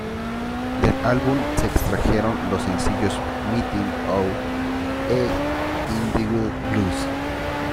Del álbum se extrajeron los sencillos "Mighty O" e "Idlewild Blues".